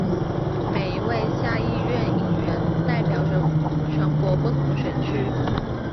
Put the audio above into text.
每一位下议院议员代表着全国不同选区。